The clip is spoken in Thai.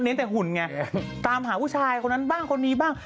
แต่หุ่นไงตามหาผู้ชายคนนั้นบ้างคนนี้บ้าง